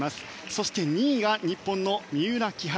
そして２位が日本の三浦、木原。